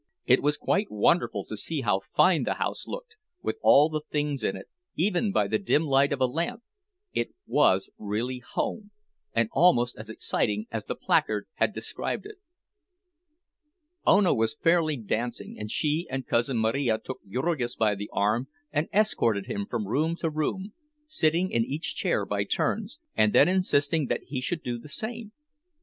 It was quite wonderful to see how fine the house looked, with all the things in it, even by the dim light of a lamp: it was really home, and almost as exciting as the placard had described it. Ona was fairly dancing, and she and Cousin Marija took Jurgis by the arm and escorted him from room to room, sitting in each chair by turns, and then insisting that he should do the same.